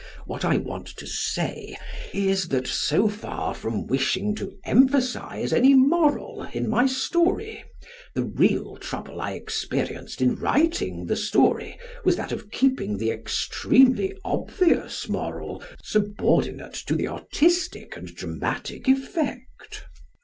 What I want to say is that, so far from wishing to emphasise any moral in my story, the real trouble I experienced in writing the story was that of keeping the extremely obvious moral subordinate to the artistic and dramatic effect.